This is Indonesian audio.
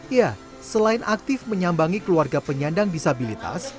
ya selain aktif menyambangi keluarga penyandang disabilitas